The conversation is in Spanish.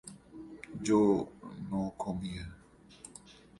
yo no comía